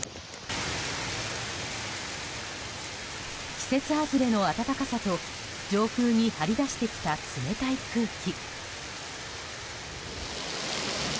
季節外れの暖かさと、上空に張り出してきた冷たい空気。